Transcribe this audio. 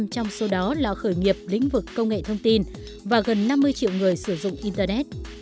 năm trong số đó là khởi nghiệp lĩnh vực công nghệ thông tin và gần năm mươi triệu người sử dụng internet